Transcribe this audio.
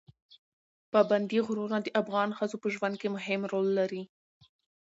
پابندي غرونه د افغان ښځو په ژوند کې هم رول لري.